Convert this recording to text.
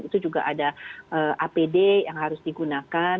itu juga ada apd yang harus digunakan